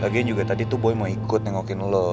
again juga tadi tuh boy mau ikut nengokin lo